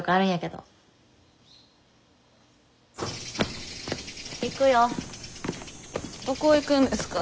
どこ行くんですか？